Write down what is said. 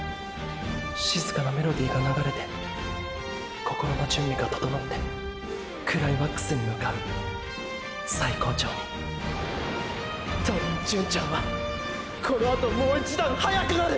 静かなメロディが流れて心の準備が整ってクライマックスに向かう最高潮にたぶん純ちゃんはこのあともう一段速くなる！！